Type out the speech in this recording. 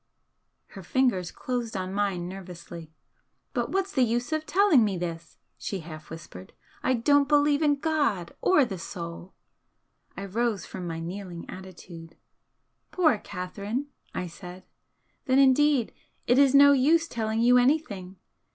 Her fingers closed on mine nervously. "But what's the use of telling me this?" she half whispered "I don't believe in God or the Soul!" I rose from my kneeling attitude. "Poor Catherine!" I said "Then indeed it is no use telling you anything!